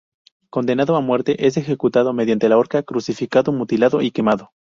Condenado a muerte, es ejecutado mediante la horca, crucificado, mutilado y quemado.